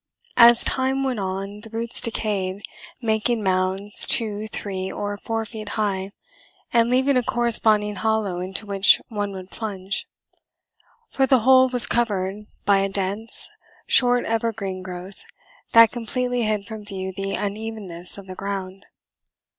As time went on the roots decayed, making mounds two, three, or four feet high and leaving a corresponding hollow into which one would plunge; for the whole was covered by a dense, short evergreen growth that completely hid from view the unevenness of the ground.